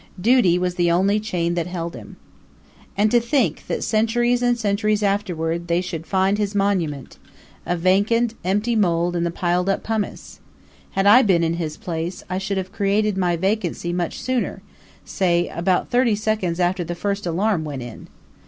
Duty was the only chain that held him. "And to think that centuries and centuries afterward they should find his monument a vacant, empty mold in the piled up pumice! Had I been in his place I should have created my vacancy much sooner say, about thirty seconds after the first alarm went in.